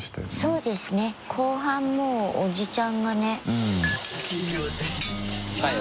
そうですね後半もうおじちゃんがね。